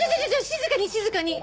静かに静かに！